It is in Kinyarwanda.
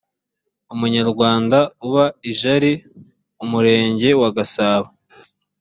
umunyarwanda uba i jari umurenge wa gasabo